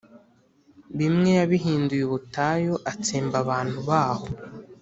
bimwe yabihinduye ubutayu, atsemba abantu baho,